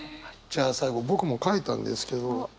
じゃあ最後僕も書いたんですけど。